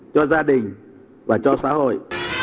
cho gia đình và cho xã hội